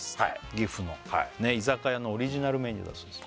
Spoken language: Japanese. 岐阜の居酒屋のオリジナルメニューだそうです